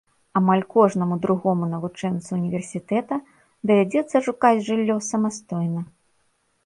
Амаль кожнаму другому навучэнцу ўніверсітэта давядзецца шукаць жыллё самастойна.